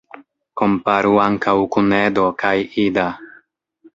Komparu ankaŭ kun "Edo" kaj "Ida".